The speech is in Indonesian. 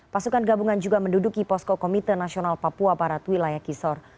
pasukan gabungan juga menduduki posko komite nasional papua barat wilayah kisor